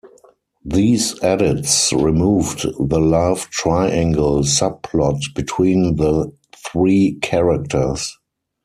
These edits removed the love triangle subplot between the three characters.